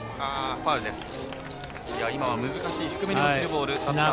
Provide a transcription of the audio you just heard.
今は難しい低めに落ちるボール。